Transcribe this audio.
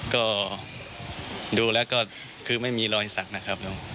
ก็ดูแล้วก็คือไม่มีรอยสักนะครับ